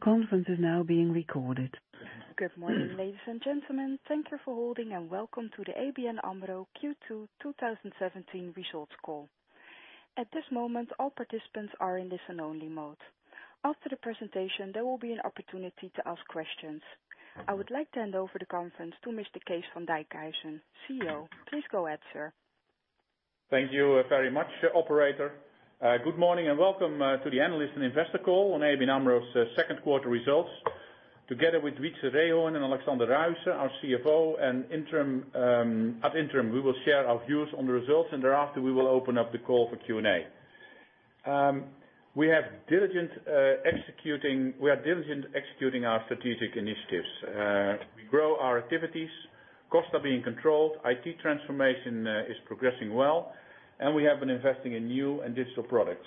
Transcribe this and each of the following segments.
The conference is now being recorded. Good morning, ladies and gentlemen. Thank you for holding and welcome to the ABN AMRO Q2 2017 results call. At this moment, all participants are in listen-only mode. After the presentation, there will be an opportunity to ask questions. I would like to hand over the conference to Mr. Kees van Dijkhuizen, CEO. Please go ahead, sir. Thank you very much, operator. Good morning. Welcome to the analyst and investor call on ABN AMRO's second quarter results. Together with Wietse Reehoorn and Alexander Rahusen, our CFO ad interim, we will share our views on the results. Thereafter, we will open up the call for Q&A. We are diligent executing our strategic initiatives. We grow our activities. Costs are being controlled. IT transformation is progressing well, and we have been investing in new and digital products.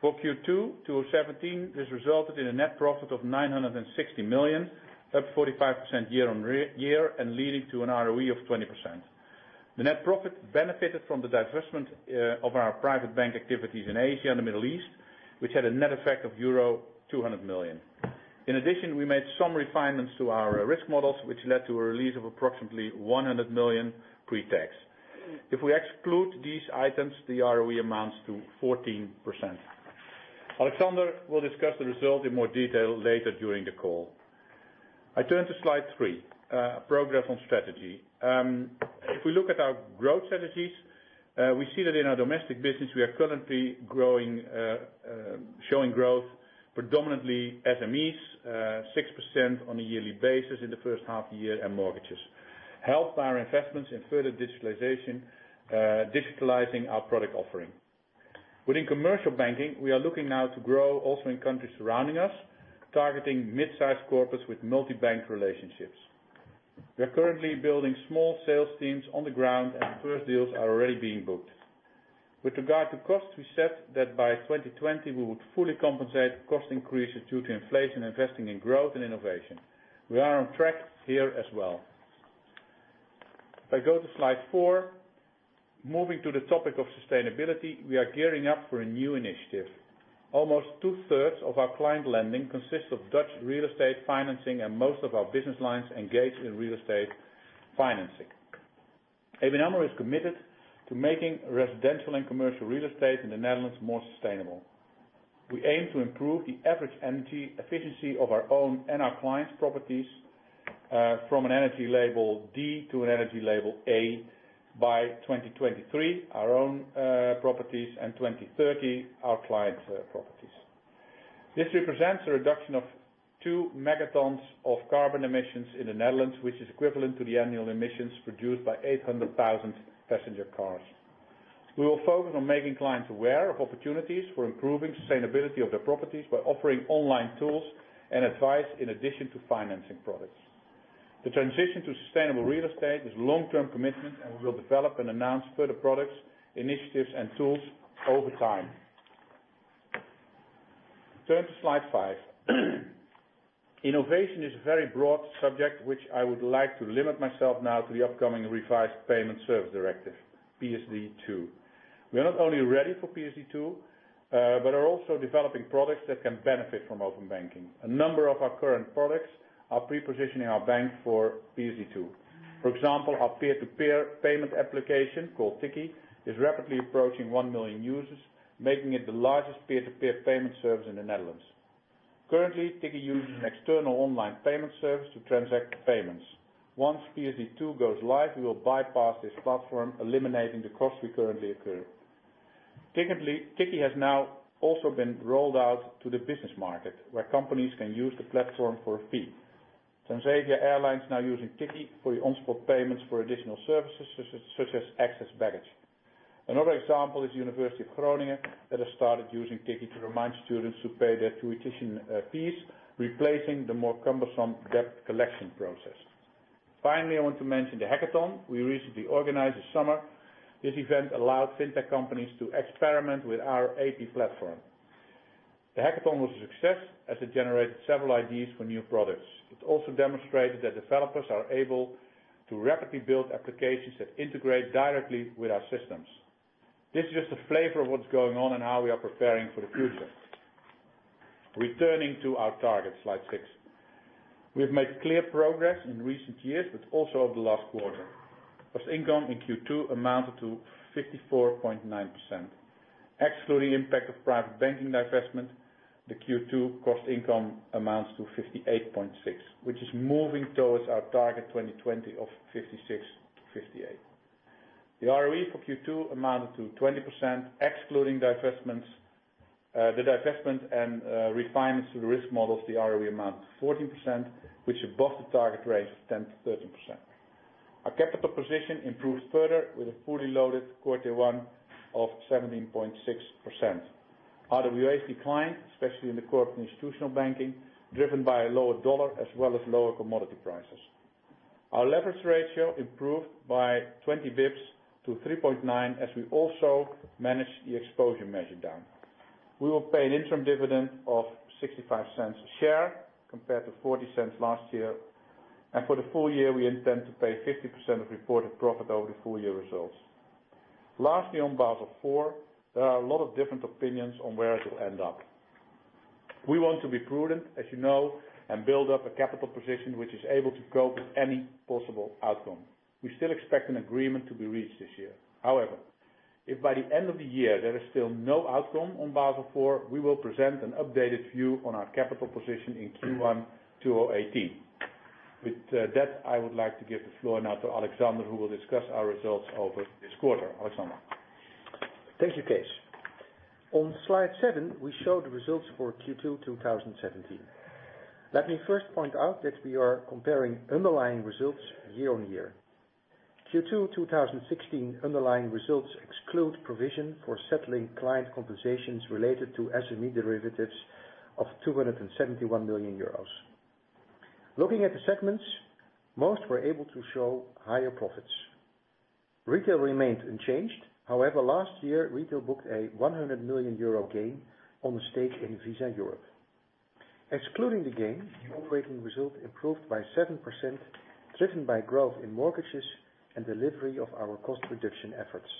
For Q2 2017, this resulted in a net profit of 960 million, up 45% year-on-year and leading to an ROE of 20%. The net profit benefited from the divestment of our private bank activities in Asia and the Middle East, which had a net effect of euro 200 million. In addition, we made some refinements to our risk models, which led to a release of approximately 100 million pre-tax. If we exclude these items, the ROE amounts to 14%. Alexander will discuss the results in more detail later during the call. I turn to slide three, progress on strategy. If we look at our growth strategies, we see that in our domestic business, we are currently showing growth predominantly SMEs, six percent on a yearly basis in the first half of the year, and mortgages. Helped by our investments in further digitalization, digitalizing our product offering. Within commercial banking, we are looking now to grow also in countries surrounding us, targeting midsize corporates with multi-bank relationships. We are currently building small sales teams on the ground. First deals are already being booked. With regard to cost, we said that by 2020 we would fully compensate cost increases due to inflation, investing in growth and innovation. We are on track here as well. If I go to slide four, moving to the topic of sustainability, we are gearing up for a new initiative. Almost two-thirds of our client lending consists of Dutch real estate financing and most of our business lines engage in real estate financing. ABN AMRO is committed to making residential and commercial real estate in the Netherlands more sustainable. We aim to improve the average energy efficiency of our own and our clients' properties from an energy label D to an energy label A by 2023, our own properties, and 2030 our clients' properties. This represents a reduction of two megatons of carbon emissions in the Netherlands, which is equivalent to the annual emissions produced by 800,000 passenger cars. We will focus on making clients aware of opportunities for improving sustainability of their properties by offering online tools and advice in addition to financing products. The transition to sustainable real estate is a long-term commitment, and we will develop and announce further products, initiatives, and tools over time. Turn to slide five. Innovation is a very broad subject, which I would like to limit myself now to the upcoming Revised Payment Services Directive, PSD2. We are not only ready for PSD2, but are also developing products that can benefit from open banking. A number of our current products are pre-positioning our bank for PSD2. For example, our peer-to-peer payment application called Tikkie is rapidly approaching 1 million users, making it the largest peer-to-peer payment service in the Netherlands. Currently, Tikkie uses an external online payment service to transact the payments. Once PSD2 goes live, we will bypass this platform, eliminating the costs we currently incur. Tikkie has now also been rolled out to the business market, where companies can use the platform for a fee. Transavia Airlines is now using Tikkie for the on-spot payments for additional services, such as excess baggage. Another example is University of Groningen that has started using Tikkie to remind students to pay their tuition fees, replacing the more cumbersome debt collection process. Finally, I want to mention the hackathon we recently organized this summer. This event allowed FinTech companies to experiment with our API platform. The hackathon was a success as it generated several ideas for new products. It also demonstrated that developers are able to rapidly build applications that integrate directly with our systems. This is just a flavor of what's going on and how we are preparing for the future. Returning to our target, slide six. We have made clear progress in recent years, but also over the last quarter. Cost income in Q2 amounted to 54.9%. Excluding impact of private banking divestment, the Q2 cost income amounts to 58.6%, which is moving towards our target 2020 of 56%-58%. The ROE for Q2 amounted to 20%, excluding the divestment and refinements to the risk models, the ROE amounts to 14%, which above the target range of 10%-13%. Our capital position improved further with a fully loaded quarter one of 17.6%. RWA declined, especially in the Corporate Institutional Banking, driven by a lower US dollar as well as lower commodity prices. Our leverage ratio improved by 20 basis points to 3.9% as we also managed the exposure measure down. We will pay an interim dividend of 0.65 a share compared to 0.40 last year. For the full year, we intend to pay 50% of reported profit over the full-year results. Lastly, on Basel IV, there are a lot of different opinions on where it will end up. We want to be prudent, as you know, and build up a capital position which is able to cope with any possible outcome. We still expect an agreement to be reached this year. However, if by the end of the year, there is still no outcome on Basel IV, we will present an updated view on our capital position in Q1 2018. With that, I would like to give the floor now to Alexander, who will discuss our results over this quarter. Alexander. Thank you, Kees. On slide seven, we show the results for Q2 2017. Let me first point out that we are comparing underlying results year-on-year. Q2 2016 underlying results exclude provision for settling client compensations related to SME derivatives of 271 million euros. Looking at the segments, most were able to show higher profits. Retail remained unchanged. However, last year, Retail booked a 100 million euro gain on the stake in Visa Europe. Excluding the gain, the operating result improved by 7%, driven by growth in mortgages and delivery of our cost reduction efforts.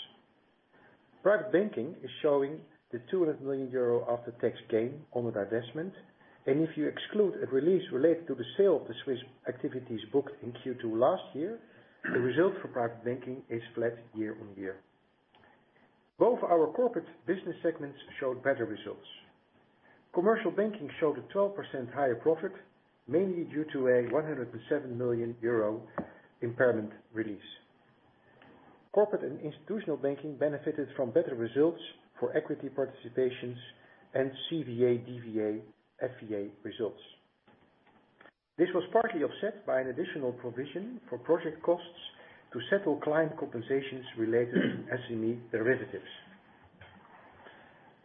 Private Banking is showing the [200 million euro after-tax gain] on the divestment, and if you exclude a release related to the sale of the Swiss activities booked in Q2 last year, the result for Private Banking is flat year-on-year. Both our corporate business segments showed better results. Commercial Banking showed a 12% higher profit, mainly due to a 107 million euro impairment release. Corporate and Institutional Banking benefited from better results for equity participations and CVA, DVA, FVA results. This was partly offset by an additional provision for project costs to settle client compensations related to SME derivatives.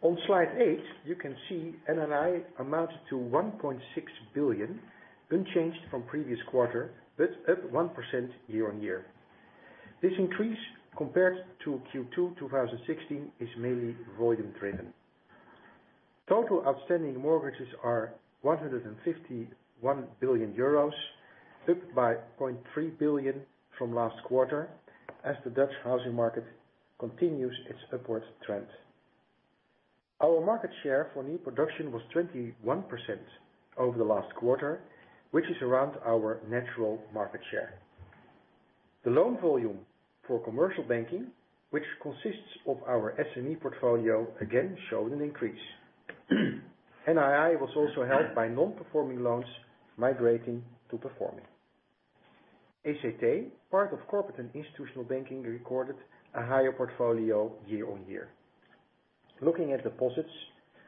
On slide eight, you can see NII amounted to 1.6 billion, unchanged from previous quarter, but up 1% year-on-year. This increase compared to Q2 2016 is mainly volume-driven. Total outstanding mortgages are 151 billion euros, up by 3 billion from last quarter, as the Dutch housing market continues its upward trend. Our market share for new production was 21% over the last quarter, which is around our natural market share. The loan volume for Commercial Banking, which consists of our SME portfolio, again showed an increase. NII was also helped by non-performing loans migrating to performing. ECT, part of Corporate and Institutional Banking, recorded a higher portfolio year-on-year. Looking at deposits,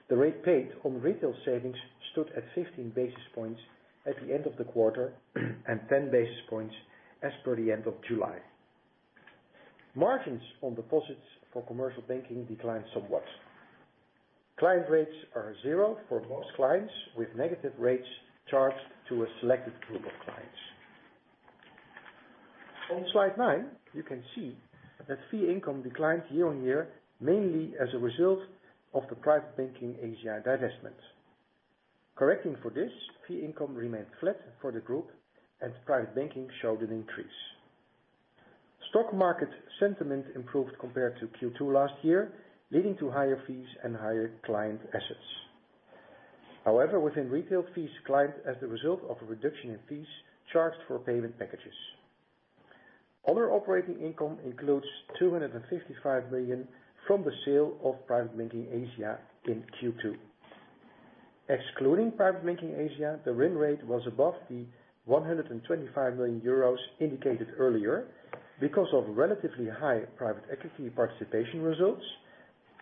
the rate paid on retail savings stood at 15 basis points at the end of the quarter, and 10 basis points as per the end of July. Margins on deposits for Commercial Banking declined somewhat. Client rates are zero for most clients, with negative rates charged to a selected group of clients. On slide nine, you can see that fee income declined year-on-year, mainly as a result of the Private Banking Asia divestment. Correcting for this, fee income remained flat for the group and Private Banking showed an increase. Stock market sentiment improved compared to Q2 last year, leading to higher fees and higher client assets. However, within Retail, fees declined as the result of a reduction in fees charged for payment packages. Other operating income includes 255 million from the sale of Private Banking Asia in Q2. Excluding Private Banking Asia, the run rate was above the 125 million euros indicated earlier because of relatively high private equity participation results,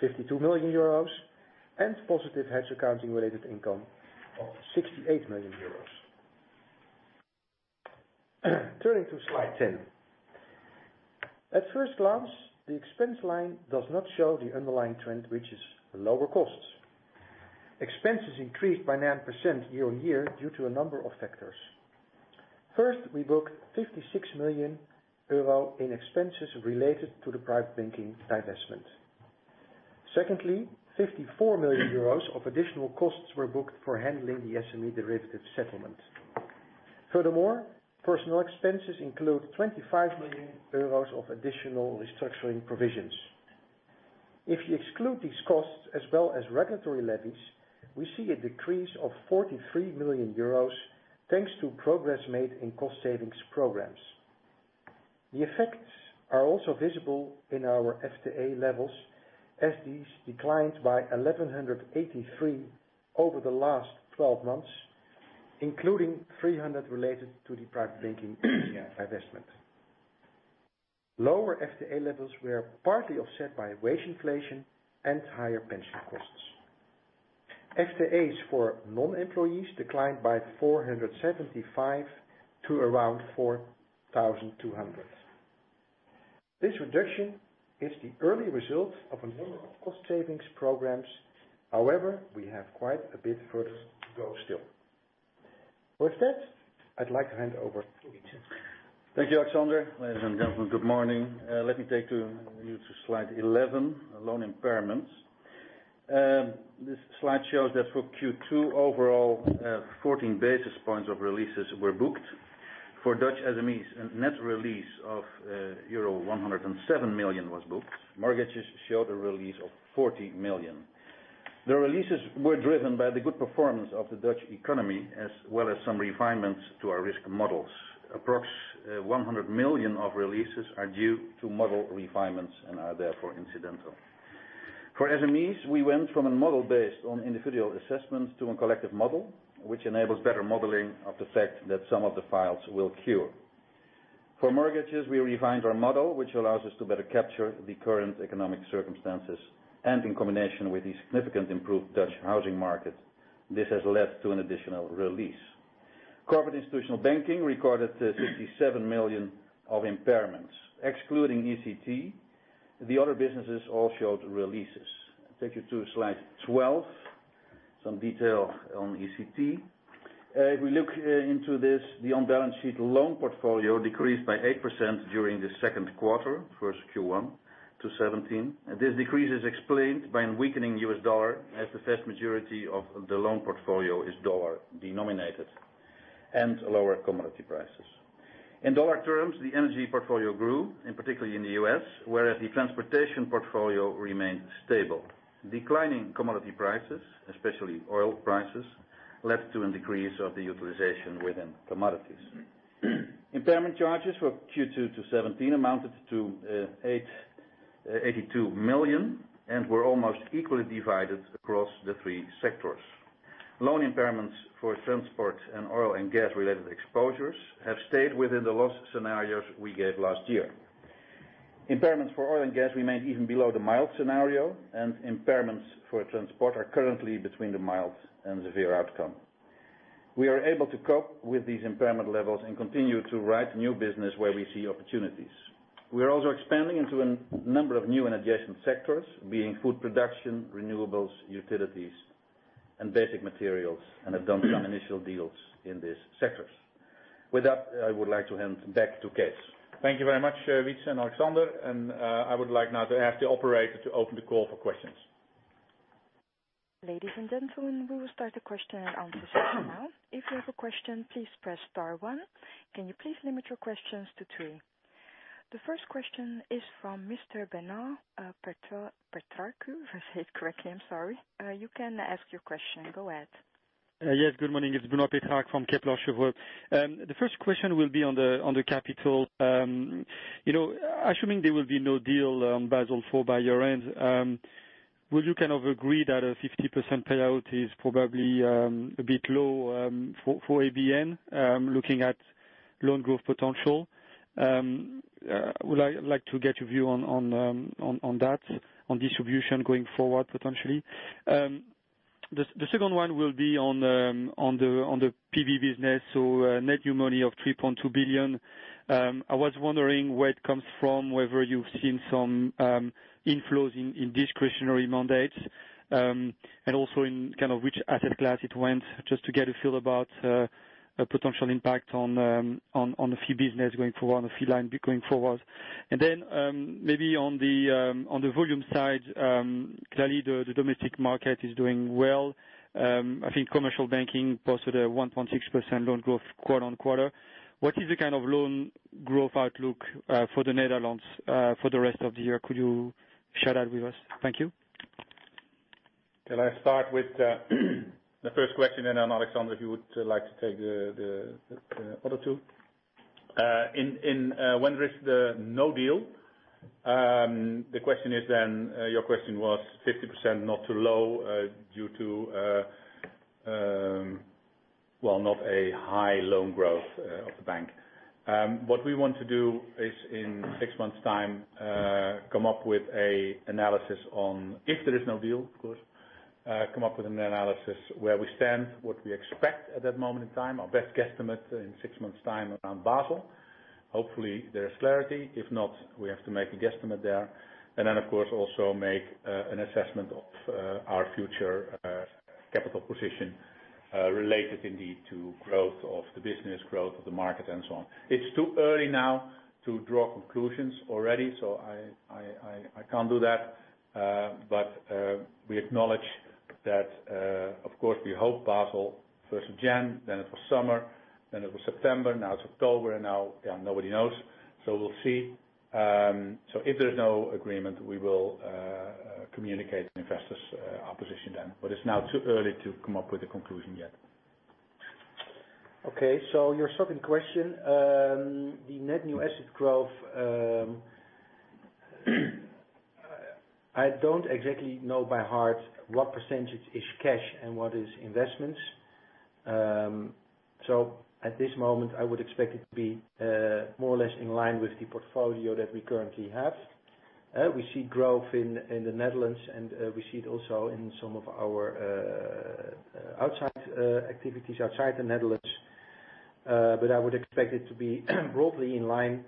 52 million euros, and positive hedge accounting-related income of 68 million euros. Turning to slide 10. At first glance, the expense line does not show the underlying trend, which is lower costs. Expenses increased by 9% year-on-year due to a number of factors. First, we booked 56 million euro in expenses related to the Private Banking divestment. Secondly 54 million euros of additional costs were booked for handling the SME derivative settlement. Furthermore, personal expenses include 25 million euros of additional restructuring provisions. If you exclude these costs as well as regulatory levies, we see a decrease of 43 million euros thanks to progress made in cost savings programs. The effects are also visible in our FTE levels as these declined by 1,183 over the last 12 months, including 300 related to the Private Banking Asia divestment. Lower FTE levels were partly offset by wage inflation and higher pension costs. FTEs for non-employees declined by 475 to around 4,200. This reduction is the early result of a number of cost savings programs. We have quite a bit further to go still. With that, I'd like to hand over to Wietse. Thank you, Alexander. Ladies and gentlemen, good morning. Let me take you to slide 11, loan impairments. This slide shows that for Q2 overall, 14 basis points of releases were booked. For Dutch SMEs, a net release of euro 107 million was booked. Mortgages showed a release of 40 million. The releases were driven by the good performance of the Dutch economy, as well as some refinements to our risk models. Approximately 100 million of releases are due to model refinements and are therefore incidental. For SMEs, we went from a model based on individual assessments to a collective model, which enables better modeling of the fact that some of the files will cure. For mortgages, we refined our model, which allows us to better capture the current economic circumstances and in combination with the significant improved Dutch housing market, this has led to an additional release. Corporate institutional banking recorded 67 million of impairments, excluding ECT. The other businesses all showed releases. Let me take you to slide 12, some detail on ECT. If we look into this, the on-balance sheet loan portfolio decreased by 8% during the second quarter versus Q1 2017. This decrease is explained by a weakening U.S. dollar as the vast majority of the loan portfolio is dollar-denominated and lower commodity prices. In dollar terms, the energy portfolio grew, particularly in the U.S., whereas the transportation portfolio remained stable. Declining commodity prices, especially oil prices, led to a decrease of the utilization within commodities. Impairment charges for Q2 2017 amounted to 82 million and were almost equally divided across the three sectors. Loan impairments for transport and oil and gas-related exposures have stayed within the loss scenarios we gave last year. Impairments for oil and gas remained even below the mild scenario. Impairments for transport are currently between the mild and severe outcome. We are able to cope with these impairment levels and continue to write new business where we see opportunities. We're also expanding into a number of new and adjacent sectors, being food production, renewables, utilities, and basic materials, and have done some initial deals in these sectors. With that, I would like to hand back to Kees. Thank you very much, Wietse and Alexander, I would like now to ask the operator to open the call for questions. Ladies and gentlemen, we will start the question and answer session now. If you have a question, please press star one. Can you please limit your questions to three? The first question is from Mr. Bernard Petarku. If I said it correctly, I am sorry. You can ask your question. Go ahead. Yes, good morning. It is Bernard Petarku from Kepler Cheuvreux. The first question will be on the capital. Assuming there will be no deal on Basel IV by year-end, would you kind of agree that a 50% payout is probably a bit low for ABN, looking at loan growth potential? I would like to get your view on that, on distribution going forward, potentially. The second one will be on the PB business. Net new money of 3.2 billion. I was wondering where it comes from, whether you have seen some inflows in discretionary mandates, and also in which asset class it went, just to get a feel about potential impact on a fee business going forward, on a fee line going forward. Then maybe on the volume side, clearly the domestic market is doing well. I think commercial banking posted a 1.6% loan growth quarter-on-quarter. What is the kind of loan growth outlook for the Netherlands for the rest of the year? Could you share that with us? Thank you. Can I start with the first question, and then Alexander, if you would like to take the other two. In when there is no deal, your question was 50% not too low due to, well, not a high loan growth of the bank. What we want to do is in six months' time, if there is no deal, of course, come up with an analysis where we stand, what we expect at that moment in time, our best guesstimate in six months' time around Basel. Hopefully, there is clarity. If not, we have to make a guesstimate there. Of course, also make an assessment of our future capital position related indeed to growth of the business, growth of the market, and so on. It's too early now to draw conclusions already, so I can't do that. We acknowledge that, of course, we hope Basel, first of January, then it was summer, then it was September, now it's October, now nobody knows. We'll see. If there's no agreement, we will communicate to investors our position then, but it's now too early to come up with a conclusion yet. Okay. Your second question, the net new asset growth. I don't exactly know by heart what percentage is cash and what is investments. At this moment, I would expect it to be more or less in line with the portfolio that we currently have. We see growth in the Netherlands, and we see it also in some of our outside activities outside the Netherlands. I would expect it to be broadly in line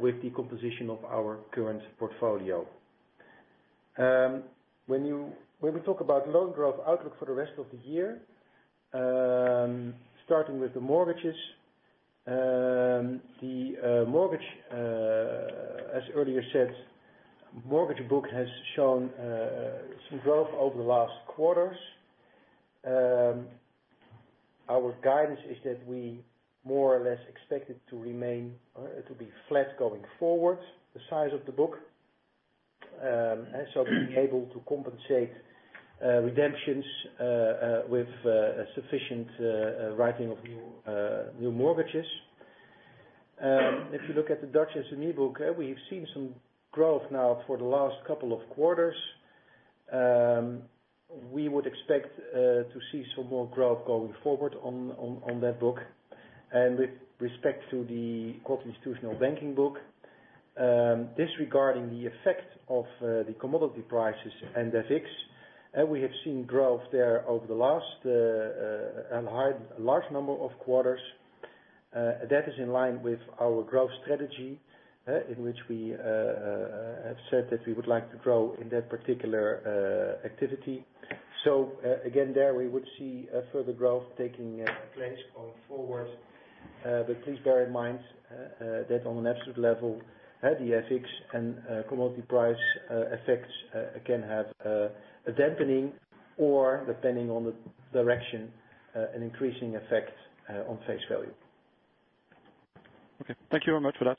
with the composition of our current portfolio. When we talk about loan growth outlook for the rest of the year, starting with the mortgages. The mortgage, as earlier said, mortgage book has shown some growth over the last quarters. Our guidance is that we more or less expect it to be flat going forward, the size of the book. Being able to compensate redemptions with a sufficient writing of new mortgages. If you look at the Dutch SME book, we have seen some growth now for the last couple of quarters. We would expect to see some more growth going forward on that book. With respect to the corporate institutional banking book, disregarding the effect of the commodity prices and the FX, we have seen growth there over the last large number of quarters. That is in line with our growth strategy, in which we have said that we would like to grow in that particular activity. Again, there we would see a further growth taking place going forward. Please bear in mind that on an absolute level, the FX and commodity price effects can have a dampening or, depending on the direction, an increasing effect on face value. Okay. Thank you very much for that.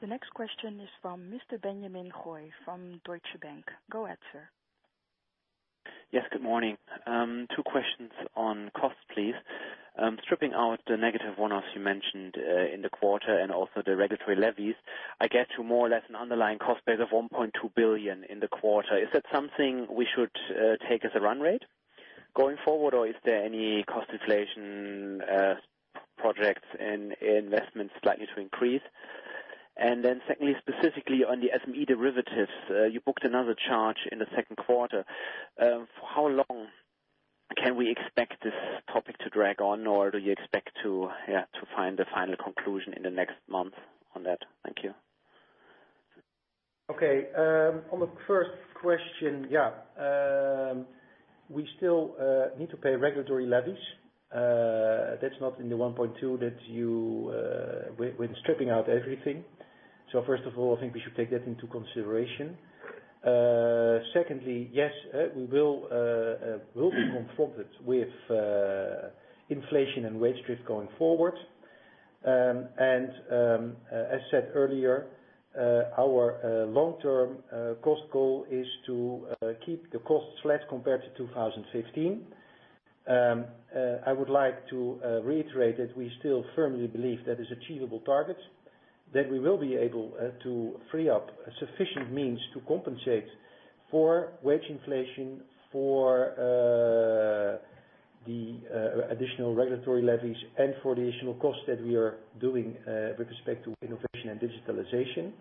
The next question is from Mr. Benjamin Hoy from Deutsche Bank. Go ahead, sir. Yes, good morning. Two questions on cost, please. Stripping out the negative one-offs you mentioned in the quarter and also the regulatory levies, I get to more or less an underlying cost base of 1.2 billion in the quarter. Is that something we should take as a run rate going forward, or is there any cost inflation projects and investments likely to increase? Secondly, specifically on the SME derivatives, you booked another charge in the second quarter. For how long can we expect this topic to drag on, or do you expect to find a final conclusion in the next month on that? Thank you. On the first question. We still need to pay regulatory levies. That's not in 1.2 when stripping out everything. First of all, I think we should take that into consideration. Secondly, yes, we will be confronted with inflation and wage drift going forward. As said earlier, our long-term cost goal is to keep the costs flat compared to 2015. I would like to reiterate that we still firmly believe that is achievable target, that we will be able to free up sufficient means to compensate for wage inflation, for the additional regulatory levies, and for the additional costs that we are doing with respect to innovation and digitalization.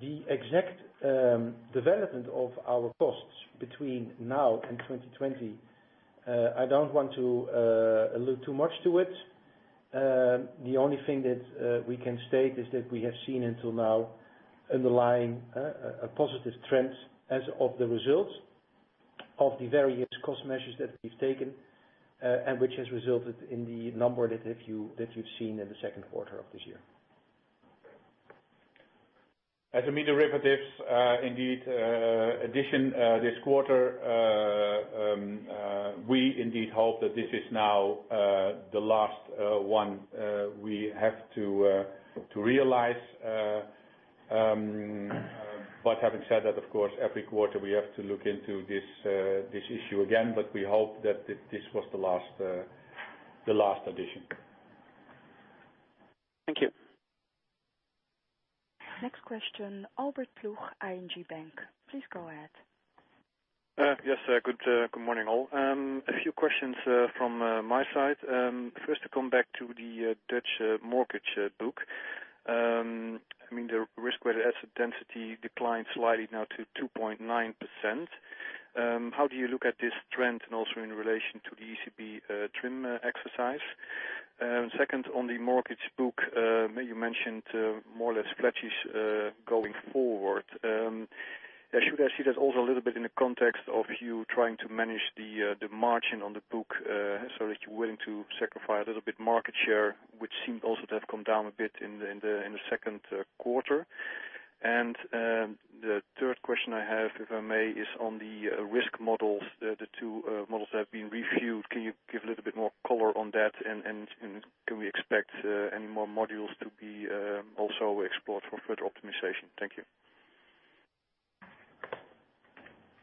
The exact development of our costs between now and 2020, I don't want to allude too much to it. The only thing that we can state is that we have seen until now underlying a positive trend as of the results of the various cost measures that we've taken, and which has resulted in the number that you've seen in the second quarter of this year. SME derivatives, indeed, addition this quarter. We indeed hope that this is now the last one we have to realize. Having said that, of course, every quarter we have to look into this issue again, but we hope that this was the last addition. Thank you. Next question, Albert Ploeg, ING Bank. Please go ahead. Yes. Good morning, all. A few questions from my side. First, to come back to the Dutch mortgage book. The risk-weighted asset density declined slightly now to 2.9%. How do you look at this trend and also in relation to the ECB TRIM exercise? Second, on the mortgage book, you mentioned more or less flat-ish going forward. Should I see that also a little bit in the context of you trying to manage the margin on the book so that you're willing to sacrifice a little bit market share, which seemed also to have come down a bit in the second quarter? The third question I have, if I may, is on the risk models, the two models that have been reviewed. Can you give a little bit more color on that and can we expect any more modules to be also explored for further optimization? Thank you.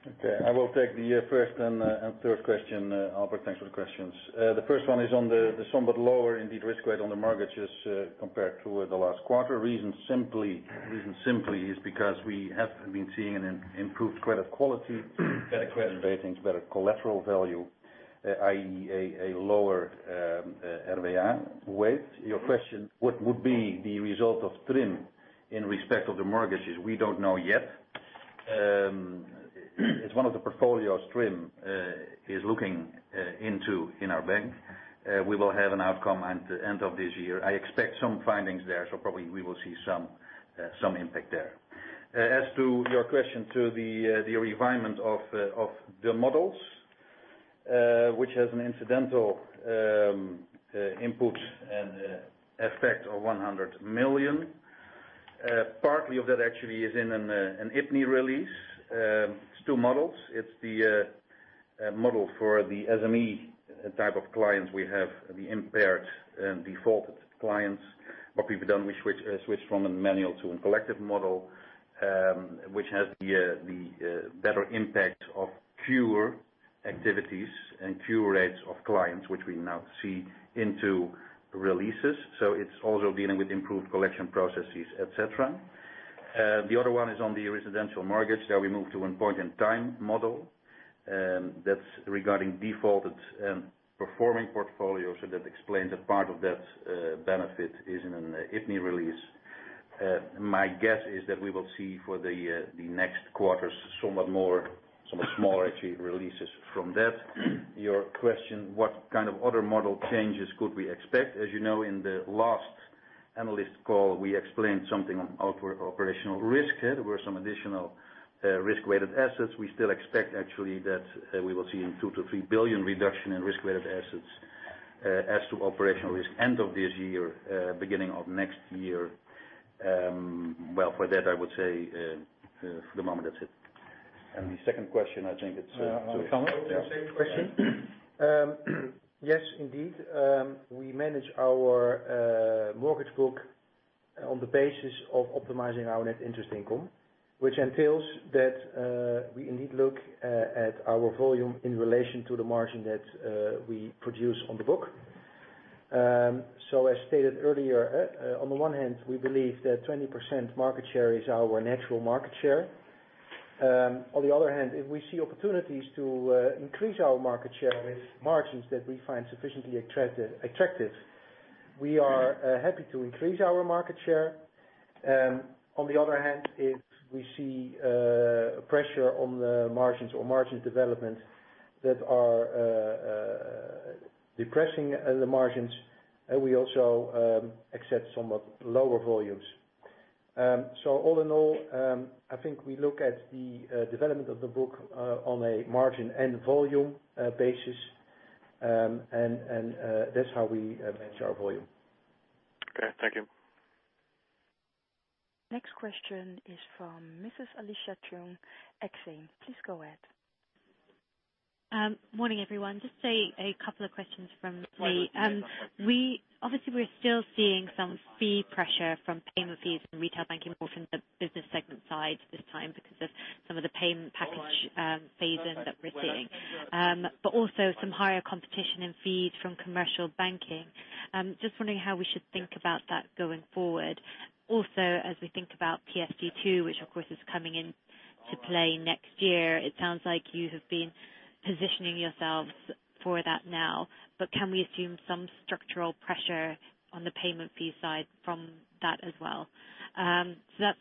Okay. I will take the first and third question, Albert. Thanks for the questions. The first one is on the somewhat lower indeed risk weight on the mortgages compared to the last quarter. Reason simply is because we have been seeing an improved credit quality, better credit ratings, better collateral value, i.e., a lower RWA weight. Your question, what would be the result of TRIM in respect of the mortgages? We don't know yet. It's one of the portfolios TRIM is looking into in our bank. We will have an outcome at the end of this year. I expect some findings there, so probably we will see some impact there. As to your question to the revirement of the models, which has an incidental input and effect of 100 million. Partly of that actually is in an IBNR release. It's two models. It's the model for the SME type of clients we have, the impaired and defaulted clients. What we've done, we switched from a manual to a collective model, which has the better impact of fewer activities and fewer rates of clients, which we now see into releases. It's also dealing with improved collection processes, et cetera. The other one is on the residential mortgage. There we move to one point in time model. That's regarding defaulted and performing portfolio. That explains a part of that benefit is in an IBNR release. My guess is that we will see for the next quarters, somewhat more actually releases from that. Your question, what kind of other model changes could we expect? As you know, in the last analyst call we explained something on operational risk. There were some additional risk-weighted assets. We still expect actually that we will see a 2 billion-3 billion reduction in risk-weighted assets as to operational risk end of this year, beginning of next year. Well, for that, I would say, for the moment, that's it. The second question. Same question. Yes, indeed. We manage our mortgage book on the basis of optimizing our net interest income, which entails that we indeed look at our volume in relation to the margin that we produce on the book. As stated earlier, on the one hand, we believe that 20% market share is our natural market share. On the other hand, if we see opportunities to increase our market share with margins that we find sufficiently attractive, we are happy to increase our market share. On the other hand, if we see pressure on the margins or margin development that are depressing the margins, we also accept somewhat lower volumes. All in all, I think we look at the development of the book on a margin and volume basis, and that's how we manage our volume. Okay, thank you. Next question is from Mrs. Alice Cheung, Exane. Please go ahead. Morning, everyone. Just a couple of questions from me. Obviously, we're still seeing some fee pressure from payment fees in retail banking, more from the business segment side this time because of some of the payment package phasing that we're seeing, but also some higher competition in fees from commercial banking. Just wondering how we should think about that going forward. As we think about PSD2, which of course is coming into play next year, it sounds like you have been positioning yourselves for that now, but can we assume some structural pressure on the payment fee side from that as well? That's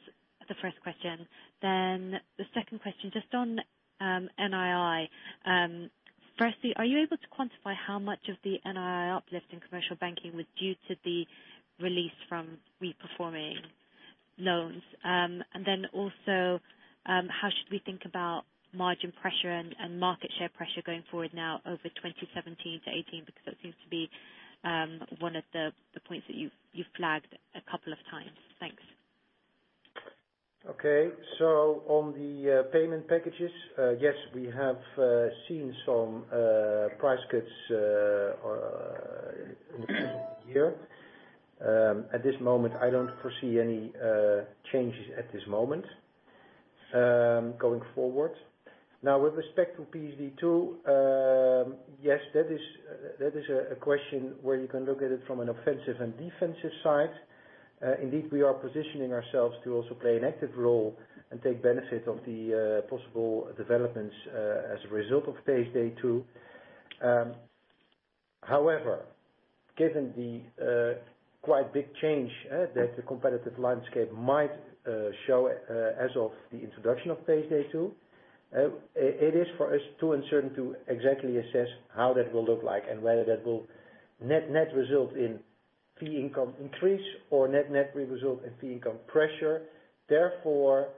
the first question. The second question, just on NII. Firstly, are you able to quantify how much of the NII uplift in commercial banking was due to the release from reperforming loans? How should we think about margin pressure and market share pressure going forward now over 2017 to 2018? Because that seems to be one of the points that you've flagged a couple of times. Thanks. Okay. On the payment packages, yes, we have seen some price cuts in the course of the year. At this moment, I don't foresee any changes at this moment, going forward. With respect to PSD2, yes, that is a question where you can look at it from an offensive and defensive side. Indeed, we are positioning ourselves to also play an active role and take benefit of the possible developments as a result of PSD2. However, given the quite big change that the competitive landscape might show as of the introduction of PSD2, it is for us too uncertain to exactly assess how that will look like and whether that will net-net result in fee income increase or net result in fee income pressure. Therefore,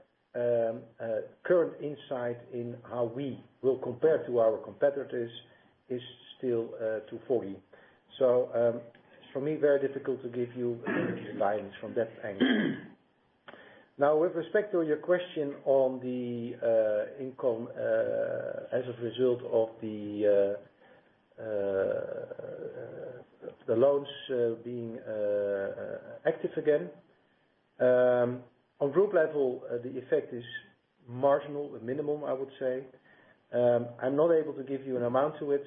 current insight in how we will compare to our competitors is still too foggy. For me, very difficult to give you guidance from that angle. With respect to your question on the income as a result of the loans being active again. On group level, the effect is marginal, minimum, I would say. I'm not able to give you an amount to it,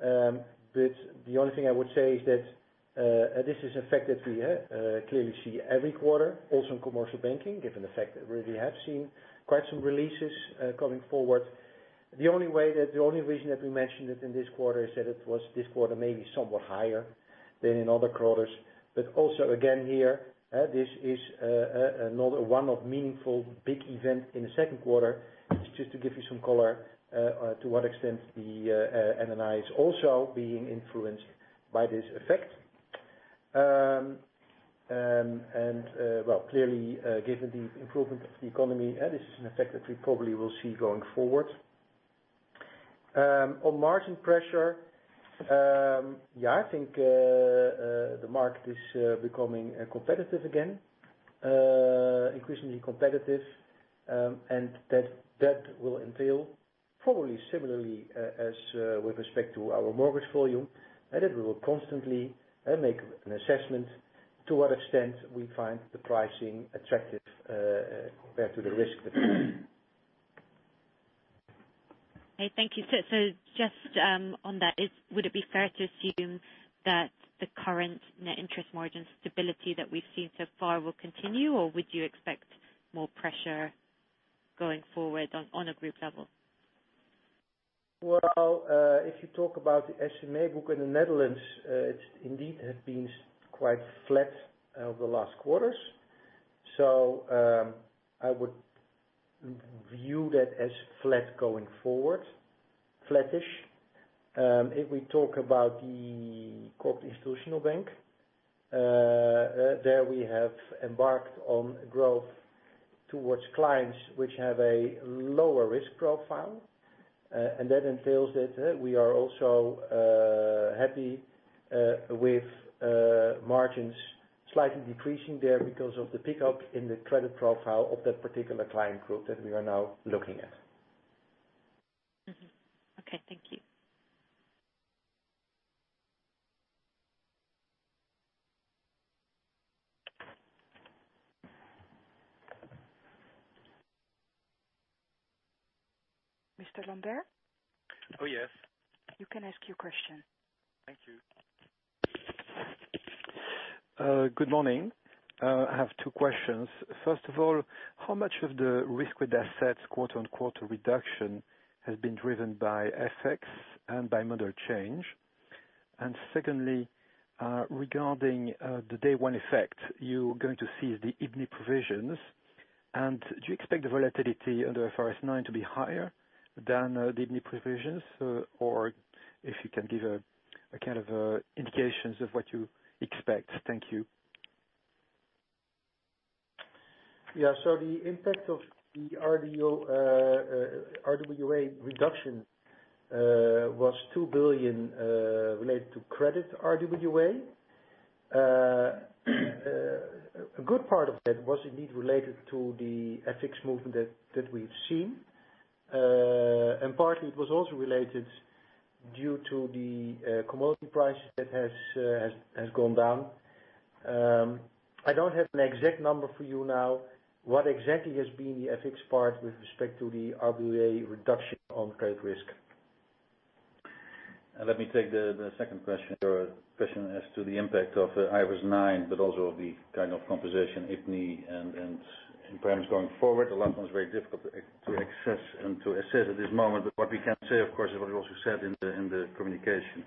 but the only thing I would say is that, this is an effect that we clearly see every quarter, also in commercial banking, given the fact that we have seen quite some releases going forward. The only reason that we mentioned it in this quarter is that it was this quarter, maybe somewhat higher than in other quarters. Also again, here, this is another one of meaningful big event in the second quarter. It's just to give you some color to what extent the NII is also being influenced by this effect. Well, clearly, given the improvement of the economy, this is an effect that we probably will see going forward. On margin pressure, I think the market is becoming competitive again, increasingly competitive, and that will entail probably similarly as with respect to our mortgage volume, that we will constantly make an assessment to what extent we find the pricing attractive compared to the risk. Okay, thank you. Just on that, would it be fair to assume that the current net interest margin stability that we've seen so far will continue, or would you expect more pressure going forward on a group level? Well, if you talk about the SME book in the Netherlands, it indeed has been quite flat over the last quarters. I would view that as flat going forward. Flattish. If we talk about the Corporate Institutional Bank, there we have embarked on growth towards clients which have a lower risk profile, and that entails that we are also happy with margins slightly decreasing there because of the pickup in the credit profile of that particular client group that we are now looking at. Mm-hmm. Okay. Thank you. Mr. Lambert. Oh, yes. You can ask your question. Thank you. Good morning. I have two questions. First of all, how much of the risk-weighted assets, quote-unquote, reduction has been driven by FX and by model change? Secondly, regarding the day one effect, you're going to see the IBNR provisions. Do you expect the volatility under IFRS 9 to be higher than the IBNR provisions? If you can give indications of what you expect. Thank you. Yeah. The impact of the RWA reduction was 2 billion related to credit RWA. A good part of that was indeed related to the FX movement that we've seen. Partly, it was also related due to the commodity prices that has gone down. I don't have an exact number for you now, what exactly has been the FX part with respect to the RWA reduction on credit risk. Let me take the second question as to the impact of the IFRS 9, but also the kind of composition IBNR and impairments going forward. The last one is very difficult to assess at this moment. What we can say, of course, is what we also said in the communication.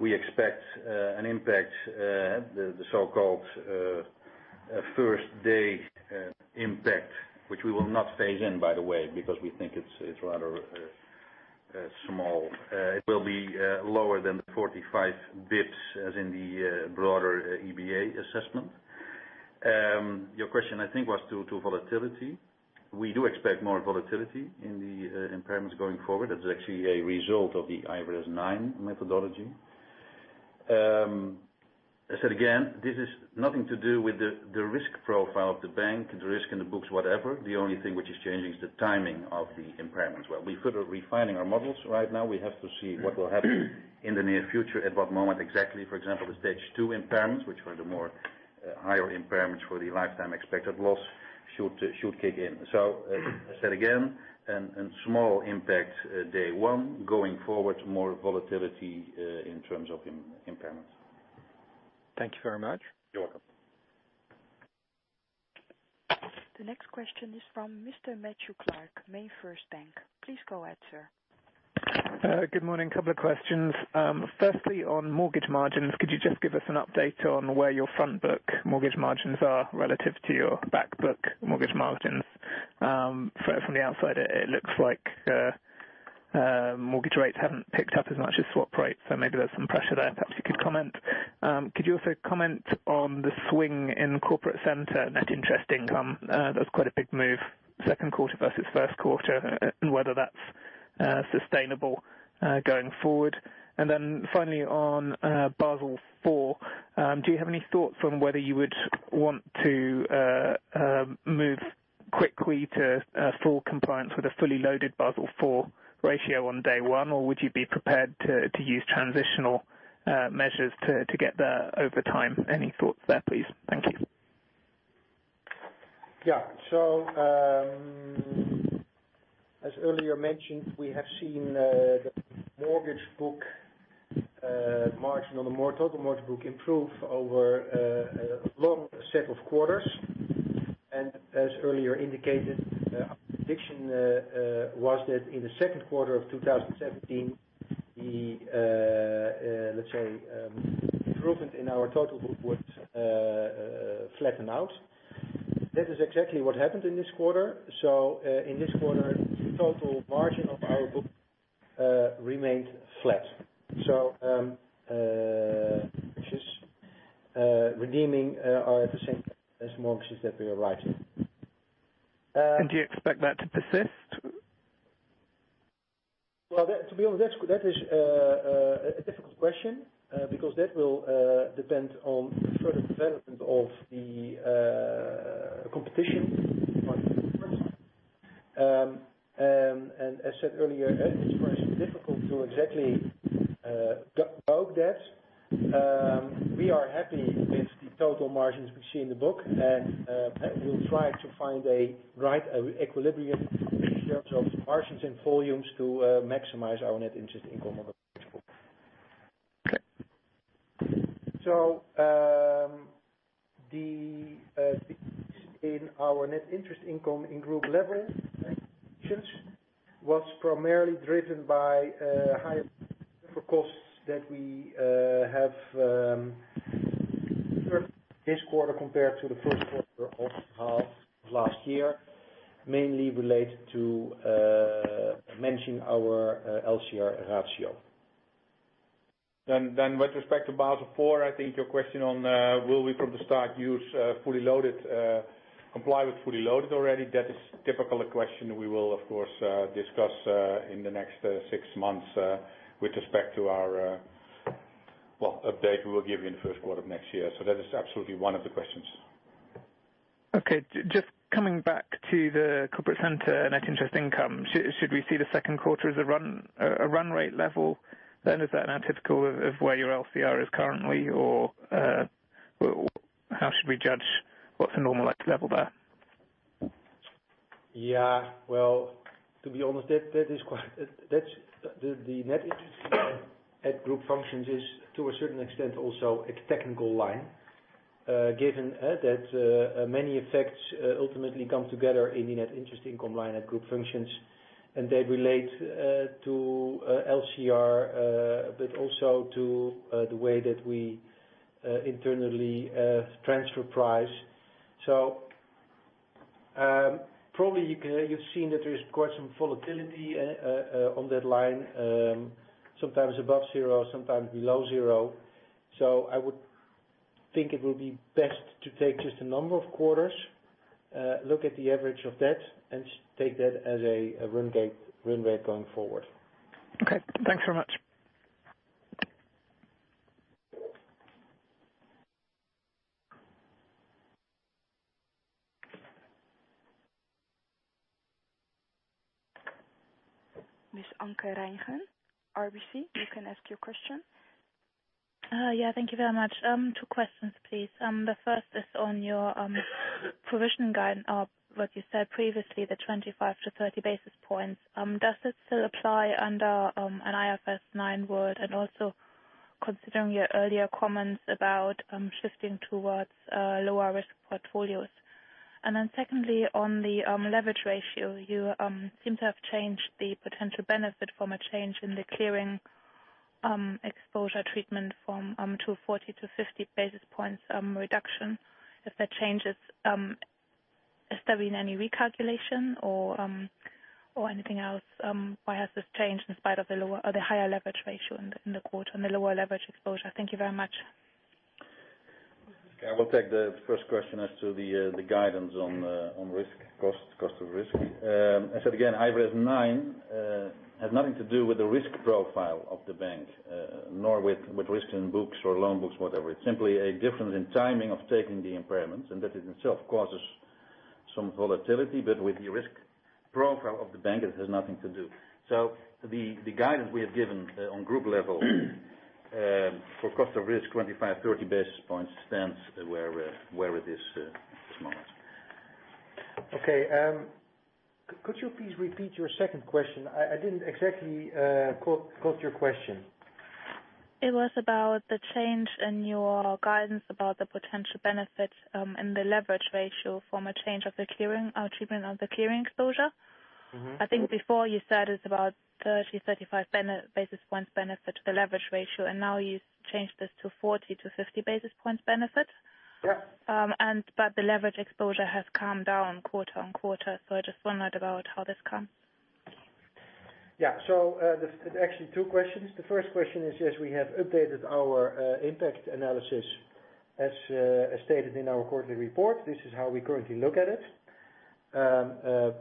We expect an impact, the so-called first-day impact, which we will not phase in, by the way, because we think it's rather small. It will be lower than the 45 basis points, as in the broader EBA assessment. Your question, I think, was to volatility. We do expect more volatility in the impairments going forward. That is actually a result of the IFRS 9 methodology. I said, again, this has nothing to do with the risk profile of the bank, the risk in the books, whatever. The only thing which is changing is the timing of the impairments. Well, we could be refining our models right now. We have to see what will happen in the near future, at what moment exactly. For example, the stage 2 impairments, which were the more higher impairments for the lifetime expected loss, should kick in. I said again, and small impact day one. Going forward, more volatility in terms of impairments. Thank you very much. You're welcome. The next question is from Mr. Matthew Clark, MainFirst Bank. Please go ahead, sir. Good morning. Couple of questions. Firstly, on mortgage margins, could you just give us an update on where your frontbook mortgage margins are relative to your backbook mortgage margins? From the outside, it looks like mortgage rates haven't picked up as much as swap rates, so maybe there's some pressure there. Perhaps you could comment. Could you also comment on the swing in corporate center, net interest income? That was quite a big move, second quarter versus first quarter, and whether that's sustainable going forward. Finally on Basel IV. Do you have any thoughts on whether you would want to move quickly to full compliance with a fully loaded Basel IV ratio on day one, or would you be prepared to use transitional measures to get there over time? Any thoughts there, please? Thank you. Yeah. As earlier mentioned, we have seen the mortgage book margin on the more total mortgage book improve over a long set of quarters. As earlier indicated, our prediction was that in the second quarter of 2017, the, let's say, improvement in our total book would flatten out. That is exactly what happened in this quarter. In this quarter, the total margin of our book remained flat. Just redeeming at the same as mortgages that we are writing. Do you expect that to persist? Well, to be honest, that is a difficult question because that will depend on the further development of the competition and as said earlier, it's very difficult to exactly evoke that. We are happy with the total margins we see in the book, and we'll try to find a right equilibrium in terms of margins and volumes to maximize our net interest income moving forward. Okay. The decrease in our net interest income in Group Functions was primarily driven by higher costs that we have this quarter compared to the first quarter of last year, mainly related to maintaining our LCR ratio. With respect to Basel IV, I think your question on will we from the start comply with fully loaded already, that is typically a question we will, of course, discuss in the next six months with respect to our update we will give you in the first quarter of next year. That is absolutely one of the questions. Okay. Just coming back to the Corporate Center Net Interest Income. Should we see the second quarter as a run rate level then? Is that now typical of where your LCR is currently, or how should we judge what's a normal-like level there? Well, to be honest, the Net Interest Income at Group Functions is to a certain extent, also a technical line, given that many effects ultimately come together in the Net Interest Income line at Group Functions, and they relate to LCR, but also to the way that we internally transfer price. Probably you've seen that there is quite some volatility on that line, sometimes above zero, sometimes below zero. I would think it will be best to take just a number of quarters, look at the average of that, and take that as a run rate going forward. Okay. Thanks very much. Miss Anke Reingen, RBC, you can ask your question. Yeah. Thank you very much. Two questions, please. The first is on your provision guide, what you said previously, the 25 to 30 basis points. Does it still apply under an IFRS 9 world? Also considering your earlier comments about shifting towards lower risk portfolios. Secondly, on the leverage ratio, you seem to have changed the potential benefit from a change in the clearing exposure treatment from [240] to 50 basis points reduction. If that changes, has there been any recalculation or anything else? Why has this changed in spite of the higher leverage ratio in the quarter and the lower leverage exposure? Thank you very much. I will take the first question as to the guidance on risk costs, cost of risk. I said again, IFRS 9 has nothing to do with the risk profile of the bank, nor with risk in books or loan books, whatever. It's simply a difference in timing of taking the impairments, and that in itself causes some volatility, but with the risk profile of the bank, it has nothing to do. The guidance we have given on group level for cost of risk, 25, 30 basis points stands where it is this moment. Okay. Could you please repeat your second question? I didn't exactly catch your question. It was about the change in your guidance about the potential benefits in the leverage ratio from a change of the treatment of the clearing exposure. I think before you said it is about 30, 35 basis points benefit to the leverage ratio. Now you have changed this to 40-50 basis points benefit. Yeah. The leverage exposure has come down quarter-on-quarter. I just wondered about how this comes. There is actually two questions. The first question is, yes, we have updated our impact analysis as stated in our quarterly report. This is how we currently look at it.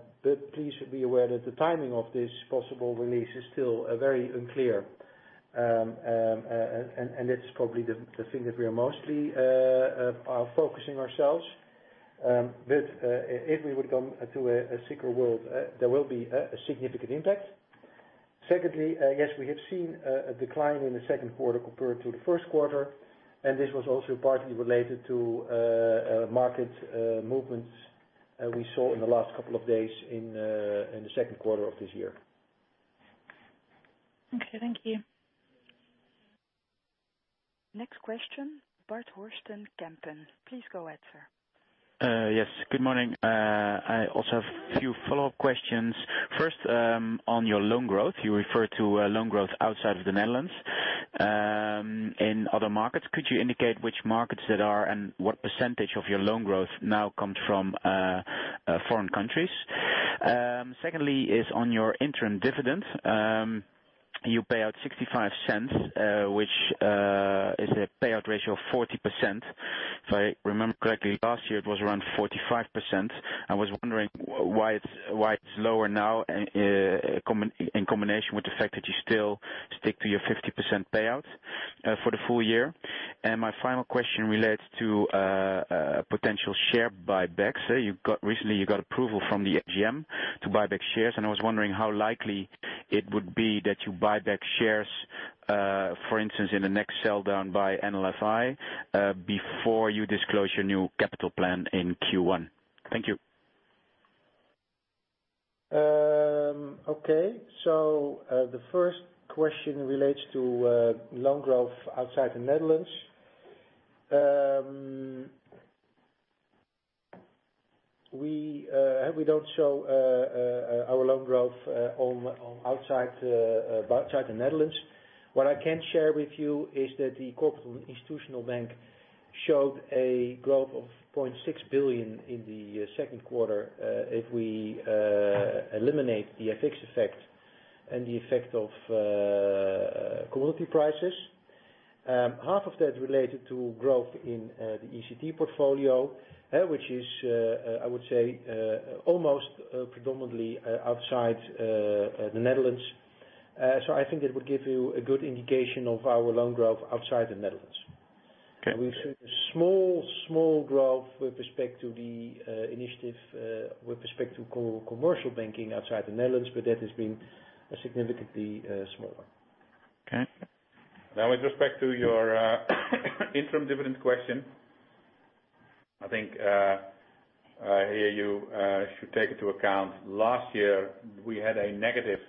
Please be aware that the timing of this possible release is still very unclear. That is probably the thing that we are mostly are focusing ourselves. If we would come to a SICR world, there will be a significant impact. Secondly, yes, we have seen a decline in the second quarter compared to the first quarter, and this was also partly related to market movements we saw in the last couple of days in the second quarter of this year. Okay. Thank you. Next question, Bart Horsten, Kempen. Please go ahead, sir. Yes. Good morning. I also have a few follow-up questions. First, on your loan growth. You referred to loan growth outside of the Netherlands in other markets. Could you indicate which markets that are and what percentage of your loan growth now comes from foreign countries? Secondly is on your interim dividend. You pay out 0.65, which is a payout ratio of 40%. If I remember correctly, last year it was around 45%. I was wondering why it's lower now in combination with the fact that you still stick to your 50% payout for the full year. My final question relates to potential share buybacks. Recently, you got approval from the AGM to buy back shares, and I was wondering how likely it would be that you buy back shares, for instance, in the next sell-down by NLFI, before you disclose your new capital plan in Q1. Thank you. Okay. The first question relates to loan growth outside the Netherlands. We don't show our loan growth outside the Netherlands. What I can share with you is that the corporate and institutional bank showed a growth of 0.6 billion in the second quarter, if we eliminate the FX effect and the effect of commodity prices. Half of that related to growth in the ECT portfolio, which is, I would say, almost predominantly outside the Netherlands. I think that would give you a good indication of our loan growth outside the Netherlands. Okay. We've seen a small growth with respect to the initiative with respect to commercial banking outside the Netherlands, but that has been a significantly smaller. Okay. With respect to your interim dividend question, I think here you should take into account last year we had a negative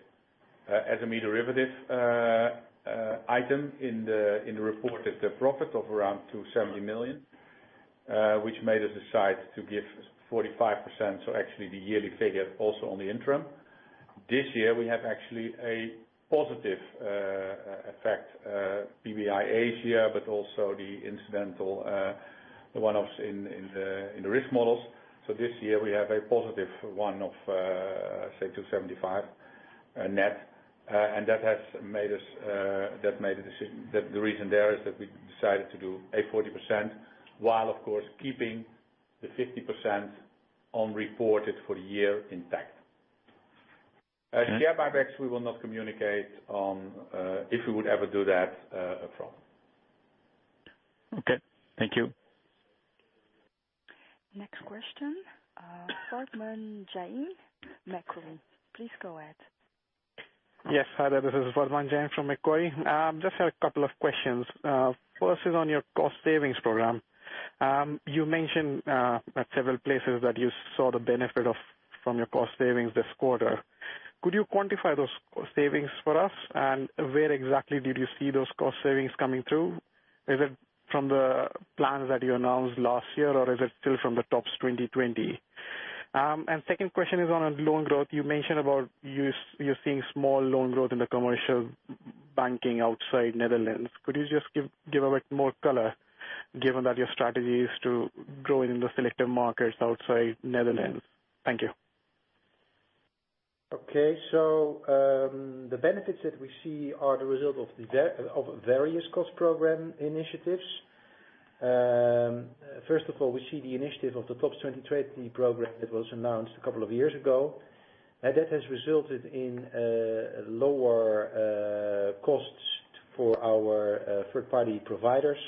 SME derivative item in the reported profit of around 270 million, which made us decide to give 45%, so actually the yearly figure also on the interim. This year, we have actually a positive effect, PB Asia, but also the incidental one-offs in the risk models. This year we have a positive one of, say, 275 net. The reason there is that we decided to do a 40%, while of course, keeping the 50% on reported for the year intact. Share buybacks, we will not communicate on if we would ever do that up front. Okay. Thank you. Next question, Vardhman Jain, Macquarie. Please go ahead. Yes. Hi there. This is Vardhman Jain from Macquarie. Just had a couple of questions. First is on your cost savings program. You mentioned at several places that you saw the benefit from your cost savings this quarter. Could you quantify those cost savings for us? Where exactly did you see those cost savings coming through? Is it from the plans that you announced last year, or is it still from the TOPS 2020? Second question is on loan growth. You mentioned about you are seeing small loan growth in the commercial banking outside Netherlands. Could you just give a bit more color given that your strategy is to grow in the selective markets outside Netherlands? Thank you. Okay. The benefits that we see are the result of various cost program initiatives. First of all, we see the initiative of the TOPS 2020 program that was announced a couple of years ago. That has resulted in lower costs for our third-party providers.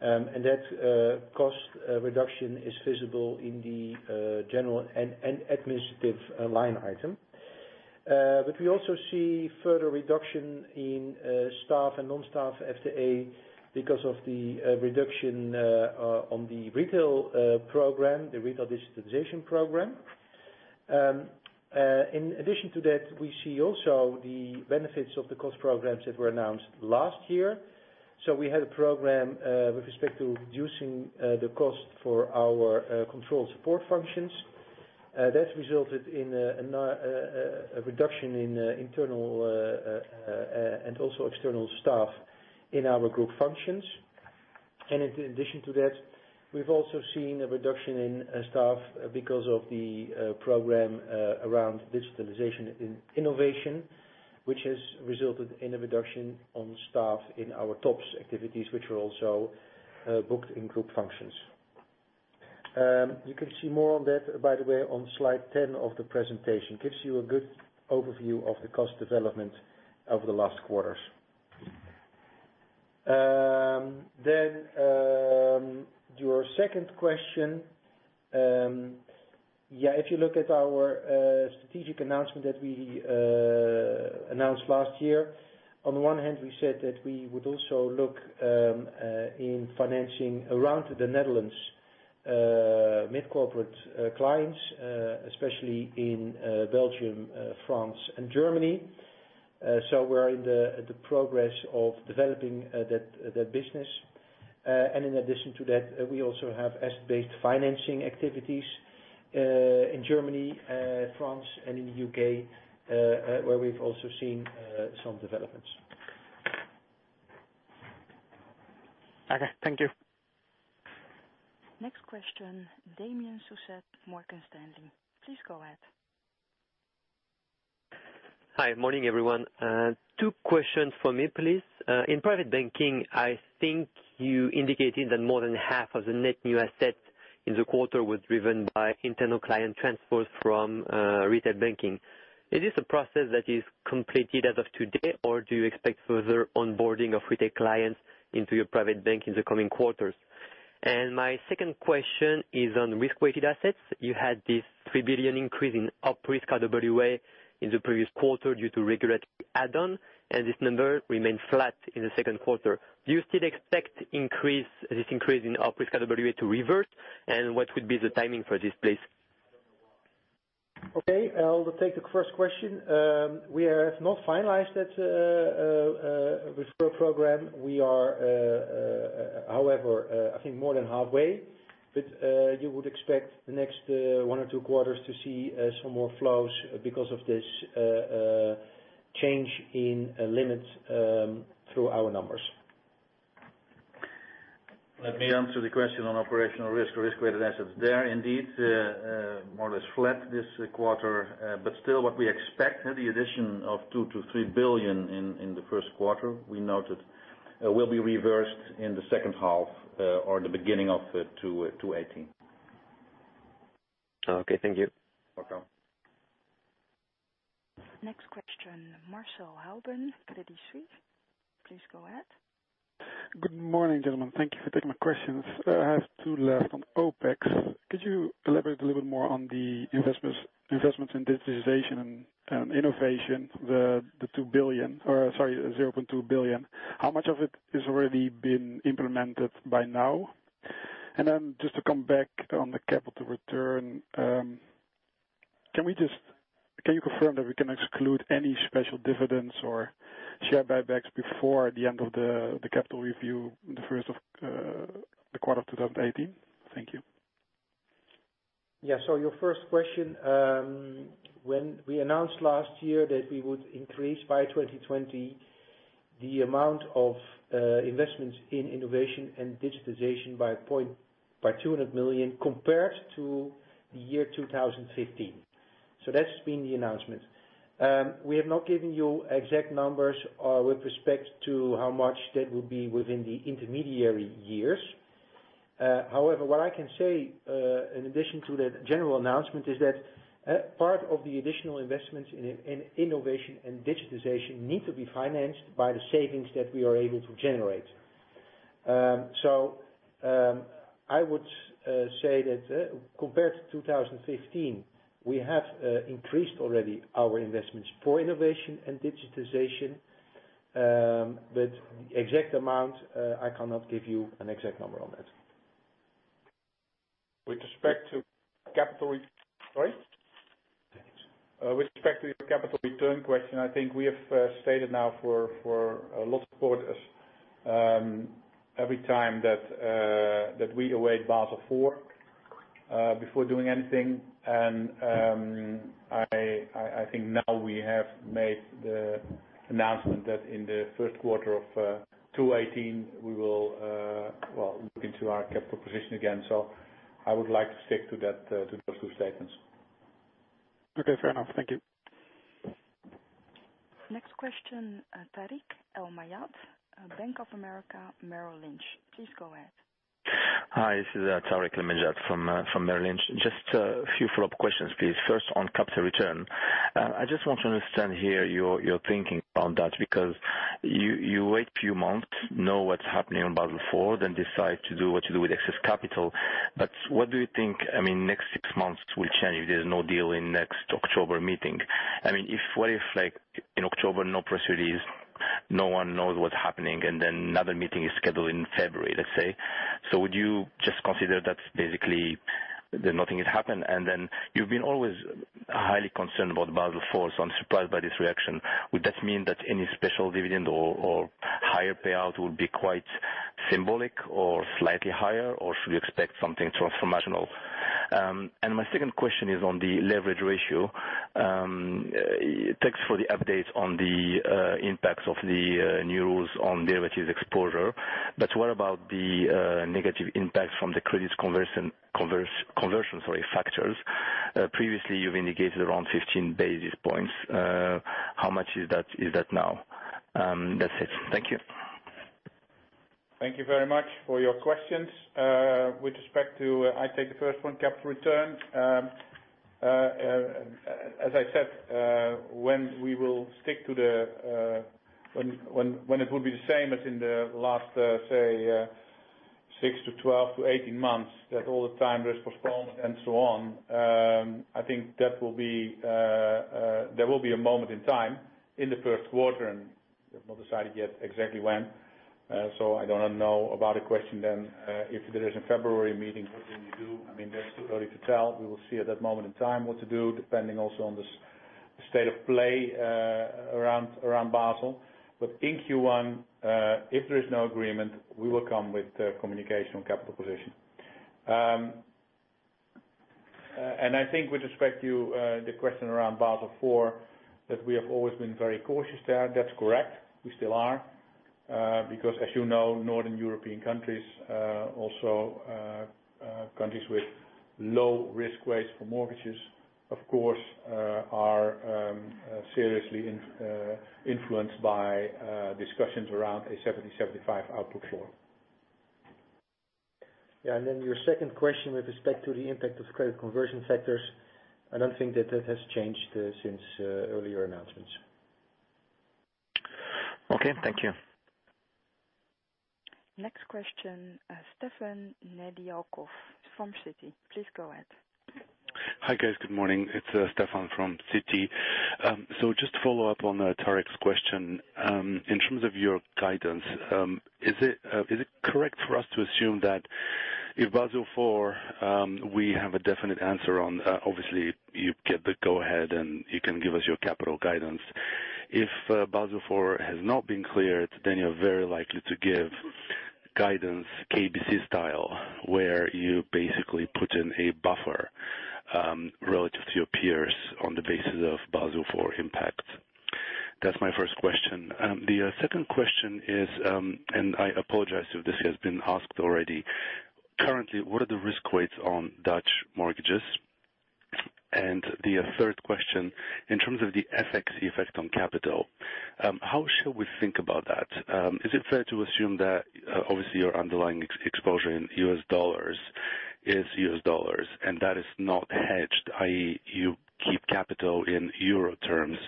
That cost reduction is visible in the general and administrative line item. We also see further reduction in staff and non-staff FTE because of the reduction on the retail program, the retail digitalization program. In addition to that, we see also the benefits of the cost programs that were announced last year. We had a program with respect to reducing the cost for our controlled support functions. That has resulted in a reduction in internal and also external staff in our Group Functions. In addition to that, we have also seen a reduction in staff because of the program around digitalization and innovation, which has resulted in a reduction on staff in our TOPS activities, which were also booked in Group Functions. You can see more on that, by the way, on slide 10 of the presentation. It gives you a good overview of the cost development over the last quarters. Your second question. If you look at our strategic announcement that we announced last year, on one hand, we said that we would also look in financing around the Netherlands mid corporate clients, especially in Belgium, France and Germany. We are in the progress of developing that business. In addition to that, we also have asset-based financing activities, in Germany, France, and in the U.K., where we have also seen some developments. Okay. Thank you. Next question, Damien Sosset, Morgan Stanley. Please go ahead. Hi. Morning, everyone. Two questions from me, please. In private banking, I think you indicated that more than half of the net new assets in the quarter was driven by internal client transfers from retail banking. It is a process that is completed as of today, or do you expect further onboarding of retail clients into your private bank in the coming quarters? My second question is on risk-weighted assets. You had this 3 billion increase in OpRisk RWA in the previous quarter due to regulatory add-on, and this number remained flat in the second quarter. Do you still expect this increase in OpRisk RWA to reverse? What would be the timing for this, please? Okay. I'll take the first question. We have not finalized that referral program. We are, however, I think more than halfway. You would expect the next one or two quarters to see some more flows because of this change in limits through our numbers. Let me answer the question on operational risk-weighted assets there. Indeed, more or less flat this quarter. Still what we expect, the addition of 2 billion-3 billion in the first quarter, we noted will be reversed in the second half or the beginning of 2018. Okay. Thank you. Welcome. Next question, Marcel Halbe, Credit Suisse. Please go ahead. Good morning, gentlemen. Thank you for taking my questions. I have two left on OpEx. Could you elaborate a little bit more on the investments in digitization and innovation, the 0.2 billion? How much of it has already been implemented by now? Just to come back on the capital return, can you confirm that we can exclude any special dividends or share buybacks before the end of the capital review in the first quarter of 2018? Thank you. Your first question, when we announced last year that we would increase by 2020 the amount of investments in innovation and digitization by 200 million compared to the year 2015. That's been the announcement. We have not given you exact numbers with respect to how much that will be within the intermediary years. However, what I can say, in addition to the general announcement, is that part of the additional investments in innovation and digitization need to be financed by the savings that we are able to generate. I would say that compared to 2015, we have increased already our investments for innovation and digitization. The exact amount, I cannot give you an exact number on that. With respect to capital-- With respect to your capital return question, I think we have stated now for a lot of quarters, every time that we await Basel IV, before doing anything. I think now we have made the announcement that in the first quarter of 2018, we will look into our capital position again. So I would like to stick to those two statements. Okay, fair enough. Thank you. Next question, Tarik El Mejjad, Bank of America Merrill Lynch. Please go ahead. Hi, this is Tarik El Mejjad from Merrill Lynch. Just a few follow-up questions, please. First, on capital return. I just want to understand here your thinking on that because you wait few months, know what's happening on Basel IV, then decide to do what you do with excess capital. What do you think, next six months will change if there's no deal in next October meeting? What if, like, in October, No one knows what's happening, then another meeting is scheduled in February, let's say. Would you just consider that basically that nothing has happened? You've been always highly concerned about Basel IV, so I'm surprised by this reaction. Would that mean that any special dividend or higher payout would be quite symbolic or slightly higher, or should we expect something transformational? My second question is on the leverage ratio. Thanks for the updates on the impacts of the new rules on derivatives exposure. What about the negative impact from the credit conversion factors? Previously, you've indicated around 15 basis points. How much is that now? That's it. Thank you. I take the first one, capital return. As I said, when it will be the same as in the last, say, six to 12 to 18 months, that all the time risk performance and so on, I think there will be a moment in time in the first quarter, and we have not decided yet exactly when. I don't know about the question then, if there is a February meeting, what can we do? That's too early to tell. We will see at that moment in time what to do, depending also on the state of play around Basel. In Q1, if there is no agreement, we will come with communication on capital position. I think with respect to the question around Basel IV, that we have always been very cautious there. That's correct. We still are, because as you know, Northern European countries, also countries with low risk rates for mortgages, of course, are seriously influenced by discussions around a 70/75 output floor. Your second question with respect to the impact of credit conversion factors, I don't think that that has changed since earlier announcements. Okay, thank you. Next question, Stefan Nedialkov from Citi. Please go ahead. Hi, guys. Good morning. It's Stefan from Citi. Just to follow up on Tarik's question. In terms of your guidance, is it correct for us to assume that if Basel IV, we have a definite answer on, obviously you get the go ahead and you can give us your capital guidance. If Basel IV has not been cleared, then you're very likely to give guidance KBC style, where you basically put in a buffer, relative to your peers, on the basis of Basel IV impact. That's my first question. The second question is, I apologize if this has been asked already. Currently, what are the risk weights on Dutch mortgages? The third question, in terms of the FX effect on capital, how should we think about that? Is it fair to assume that obviously your underlying exposure in US dollars is US dollars and that is not hedged, i.e., you keep capital in euro terms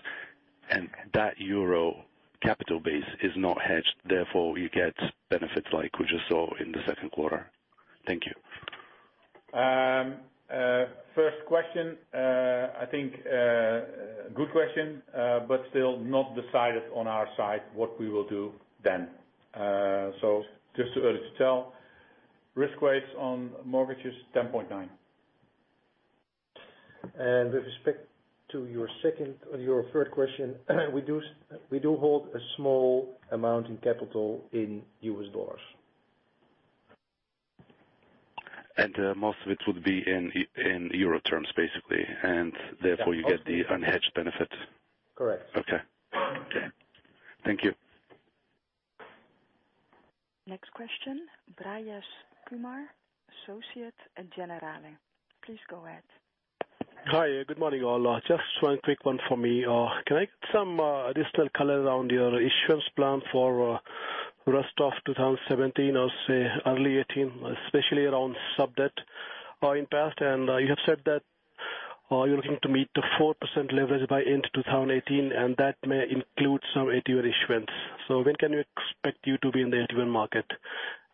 and that euro capital base is not hedged, therefore you get benefits like we just saw in the second quarter. Thank you. First question, I think good question, but still not decided on our side what we will do then. Just too early to tell. Risk weights on mortgages, 10.9. With respect to your third question, we do hold a small amount in capital in US dollars. Most of it would be in EUR terms, basically, and therefore you get the unhedged benefit. Correct. Okay. Thank you. Next question, Brajesh Kumar, Associate at Generale. Please go ahead. Hi. Good morning, all. Just one quick one for me. Can I get some additional color around your issuance plan for rest of 2017 or say early 2018, especially around sub-debt or impact, and you have said that you're looking to meet the 4% leverage by end 2018, and that may include some AT1 issuance. When can we expect you to be in the AT1 market?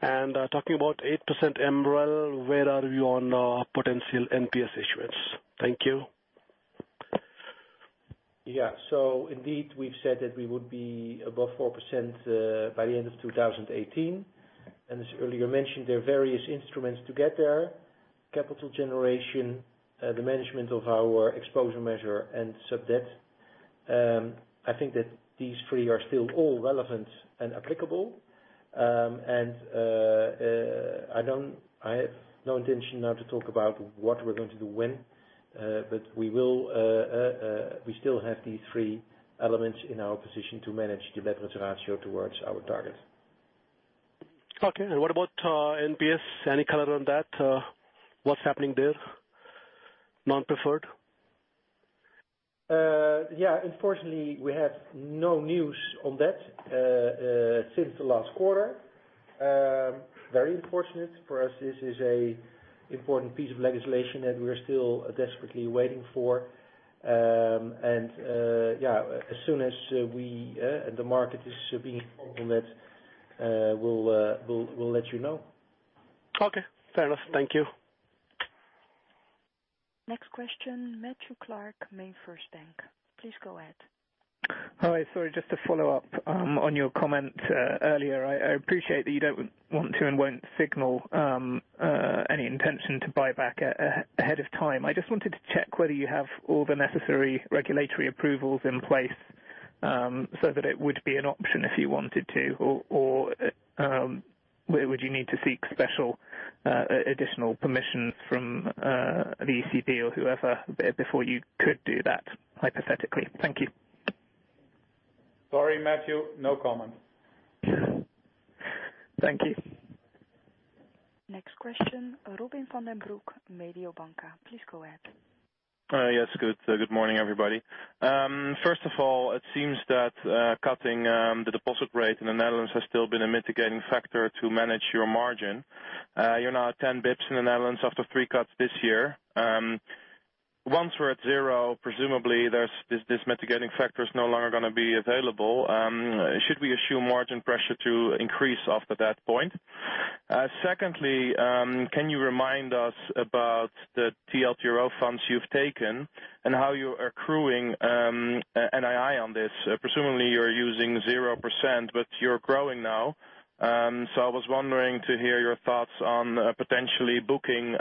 Talking about 8% MREL, where are we on potential NPS issuance? Thank you. Yeah. Indeed, we've said that we would be above 4% by the end of 2018. As earlier mentioned, there are various instruments to get there. Capital generation, the management of our exposure measure and sub-debt. I think that these three are still all relevant and applicable. I have no intention now to talk about what we're going to do when, but we still have these three elements in our position to manage the leverage ratio towards our target. Okay. What about NPS? Any color on that? What's happening there, Non-Preferred? Yeah. Unfortunately, we have no news on that since the last quarter. Very unfortunate for us. This is a important piece of legislation that we're still desperately waiting for. As soon as the market is being opened, we'll let you know. Okay. Fair enough. Thank you. Next question, Matthew Clark, MainFirst Bank. Please go ahead. Hi. Sorry, just to follow up on your comment earlier. I appreciate that you don't want to and won't signal any intention to buy back ahead of time. I just wanted to check whether you have all the necessary regulatory approvals in place, so that it would be an option if you wanted to, or would you need to seek special additional permissions from the ECB or whoever before you could do that, hypothetically? Thank you. Sorry, Matthew. No comment. Thank you. Next question, Robin van den Broek, Mediobanca. Please go ahead. Yes, good. Good morning, everybody. First of all, it seems that cutting the deposit rate in the Netherlands has still been a mitigating factor to manage your margin. You're now 10 basis points in the Netherlands after three cuts this year. Once we're at zero, presumably, this mitigating factor is no longer going to be available. Should we assume margin pressure to increase after that point? Secondly, can you remind us about the TLTRO funds you've taken and how you're accruing NII on this? Presumably you're using 0%, you're growing now. I was wondering to hear your thoughts on potentially booking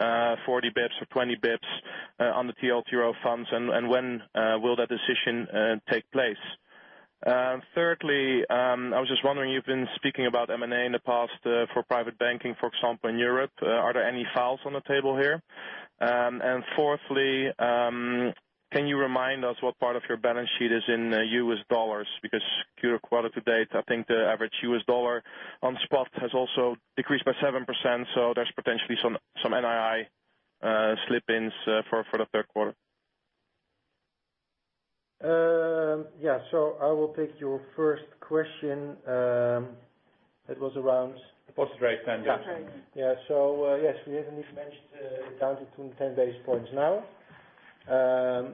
40 basis points or 20 basis points on the TLTRO funds and when will that decision take place? Thirdly, I was just wondering, you've been speaking about M&A in the past for private banking, for example, in Europe. Are there any files on the table here? fourthly, can you remind us what part of your balance sheet is in US dollars? Because Q2 to date, I think the average US dollar on spot has also decreased by 7%, so there's potentially some NII slip-ins for the third quarter. I will take your first question. Deposit rate then. yes, we have indeed managed down to 210 basis points now. As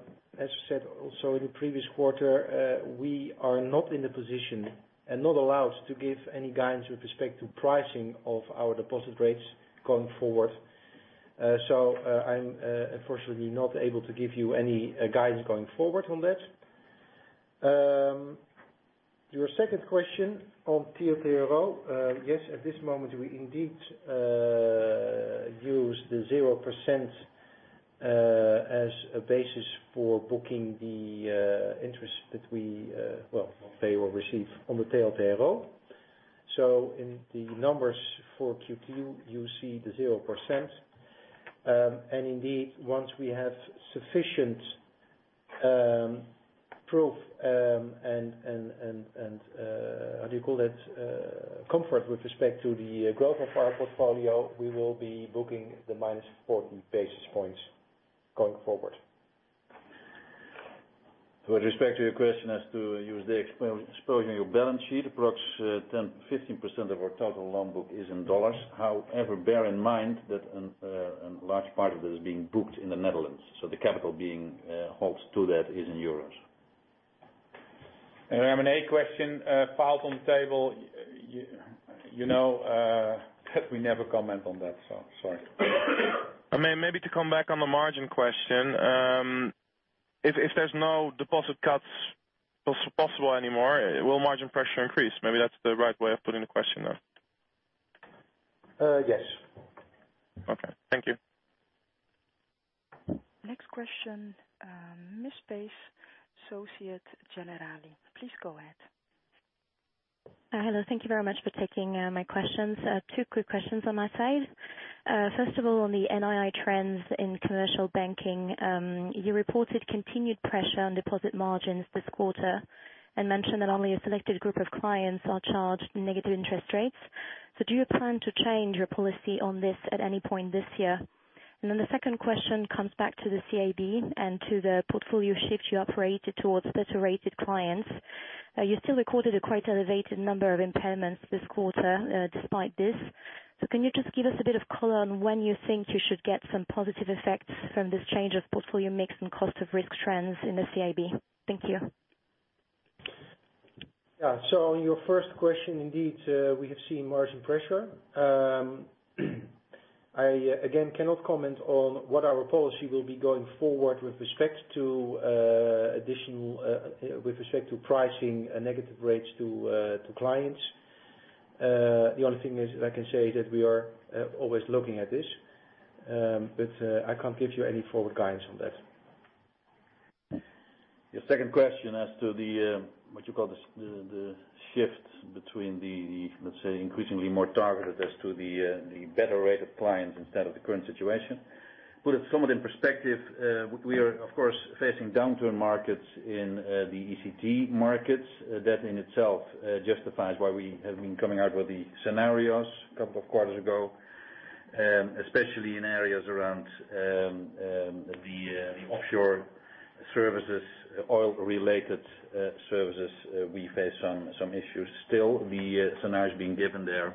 you said, also in the previous quarter, we are not in the position and not allowed to give any guidance with respect to pricing of our deposit rates going forward. I'm unfortunately not able to give you any guidance going forward on that. Your second question on TLTRO. Yes, at this moment we indeed use the 0% as a basis for booking the interest that we pay or receive on the TLTRO. In the numbers for Q2, you see the 0%. Indeed, once we have sufficient proof and, how do you call it, comfort with respect to the growth of our portfolio, we will be booking the minus 40 basis points going forward. With respect to your question as to use the exposure on your balance sheet, approximately 10%-15% of our total loan book is in USD. However, bear in mind that a large part of that is being booked in the Netherlands. The capital being housed to that is in EUR. An M&A question filed on the table. You know, we never comment on that. Sorry. To come back on the margin question. If there's no deposit cuts possible anymore, will margin pressure increase? That's the right way of putting the question now. Yes. Thank you. Next question, Corinne Pange, Analyst, Société Générale, please go ahead. Hello. Thank you very much for taking my questions. Two quick questions on my side. First of all, on the NII trends in commercial banking. You reported continued pressure on deposit margins this quarter and mentioned that only a selected group of clients are charged negative interest rates. Do you plan to change your policy on this at any point this year? The second question comes back to the CIB and to the portfolio shift you operated towards better-rated clients. You still recorded a quite elevated number of impairments this quarter, despite this. Can you just give us a bit of color on when you think you should get some positive effects from this change of portfolio mix and cost of risk trends in the CIB? Thank you. Yeah. On your first question, indeed, we have seen margin pressure. I again cannot comment on what our policy will be going forward with respect to pricing negative rates to clients. The only thing is I can say that we are always looking at this, but I can't give you any forward guidance on that. Your second question as to the shift between the increasingly more targeted as to the better rate of clients instead of the current situation. Put it somewhat in perspective, we are of course, facing downturn markets in the ECT markets. That in itself justifies why we have been coming out with the scenarios a couple of quarters ago, especially in areas around the offshore services, oil-related services. We face some issues still. The scenarios being given there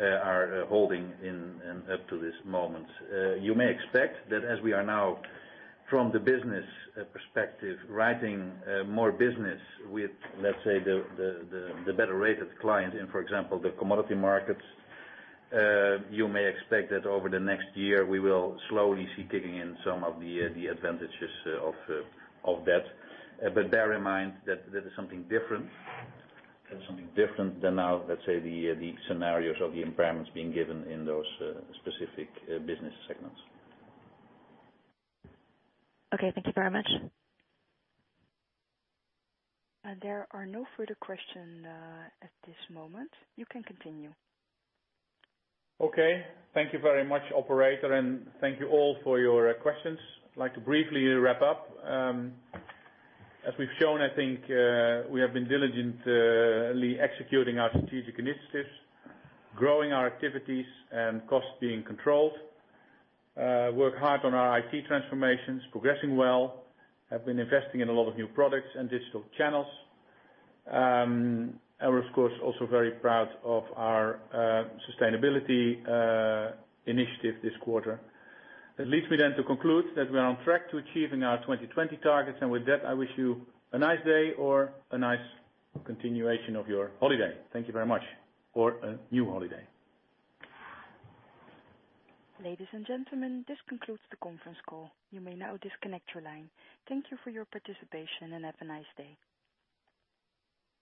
are holding up to this moment. You may expect that as we are now from the business perspective, writing more business with the better-rated client in, for example, the commodity markets. You may expect that over the next year, we will slowly see kicking in some of the advantages of that. Bear in mind that that is something different than now the scenarios or the impairments being given in those specific business segments. Okay. Thank you very much. There are no further questions at this moment. You can continue. Okay. Thank you very much, operator, and thank you all for your questions. I'd like to briefly wrap up. As we've shown, I think, we have been diligently executing our strategic initiatives, growing our activities and costs being controlled. We have worked hard on our IT transformations, progressing well. We have been investing in a lot of new products and digital channels. We're, of course, also very proud of our sustainability initiative this quarter. That leads me then to conclude that we are on track to achieving our 2020 targets. With that, I wish you a nice day or a nice continuation of your holiday. Thank you very much. Or a new holiday. Ladies and gentlemen, this concludes the conference call. You may now disconnect your line. Thank you for your participation and have a nice day.